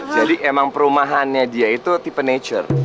jadi emang perumahannya dia itu tipe nature